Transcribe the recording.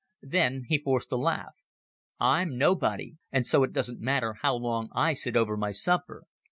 Then he forced a laugh. "I'm nobody; and so it doesn't matter how long I sit over my supper.